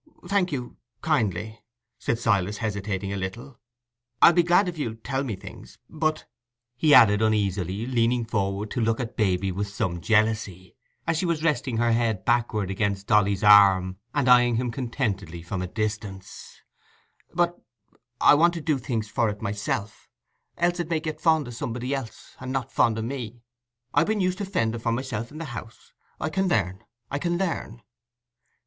"Thank you... kindly," said Silas, hesitating a little. "I'll be glad if you'll tell me things. But," he added, uneasily, leaning forward to look at Baby with some jealousy, as she was resting her head backward against Dolly's arm, and eyeing him contentedly from a distance—"But I want to do things for it myself, else it may get fond o' somebody else, and not fond o' me. I've been used to fending for myself in the house—I can learn, I can learn."